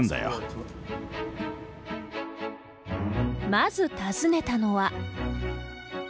まず訪ねたのは。